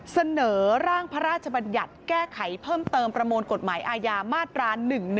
เสนอร่างพระราชบัญญัติแก้ไขเพิ่มเติมประมวลกฎหมายอาญามาตรา๑๑